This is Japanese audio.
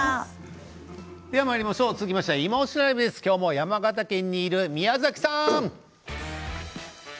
続きまして「いまオシ！ＬＩＶＥ」です。今日も山形県にいる宮崎さん！